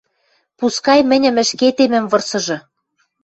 Пускай мӹньӹм ӹшкетемӹм вырсыжы...